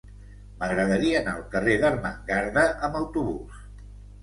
M'agradaria anar al carrer d'Ermengarda amb autobús.